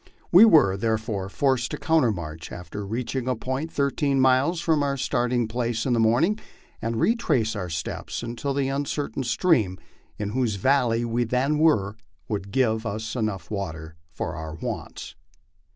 We were, therefore, forced to countermarch after reach ing a point thirteen miles from our starting place in the morning, and retrace our steps until the uncertain stream in whose valley we then were would give us water enough for our wants.